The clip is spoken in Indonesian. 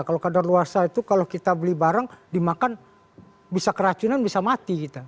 kalau kadar luarsa itu kalau kita beli barang dimakan bisa keracunan bisa mati kita